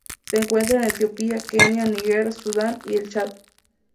Se encuentra en Etiopía, Kenia, Níger, Sudán y el Chad.